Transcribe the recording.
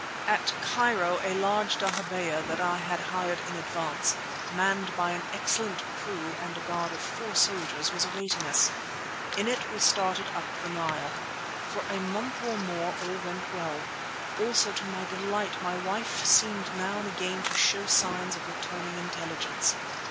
At Cairo a large dahabeeyah that I had hired in advance, manned by an excellent crew and a guard of four soldiers, was awaiting us. In it we started up the Nile. For a month or more all went well; also to my delight my wife seemed now and again to show signs of returning intelligence.